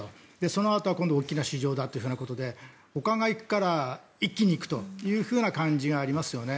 そのあとは今度は大きな市場だということでほかが行くから一気に行くという感じがありますよね。